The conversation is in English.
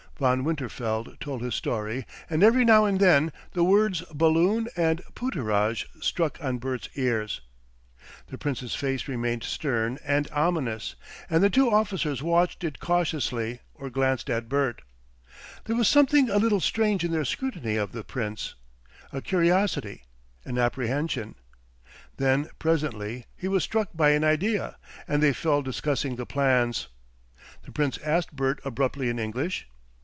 Von Winterfeld told his story, and every now and then the words Ballon and Pooterage struck on Bert's ears. The Prince's face remained stern and ominous and the two officers watched it cautiously or glanced at Bert. There was something a little strange in their scrutiny of the Prince a curiosity, an apprehension. Then presently he was struck by an idea, and they fell discussing the plans. The Prince asked Bert abruptly in English.